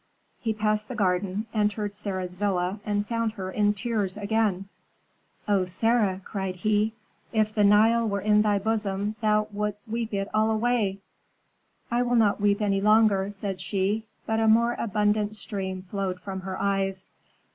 He passed the garden, entered Sarah's villa, and found her in tears again. "Oh, Sarah!" cried he, "if the Nile were in thy bosom thou wouldst weep it all away." "I will not weep any longer," said she; but a more abundant stream flowed from her eyes.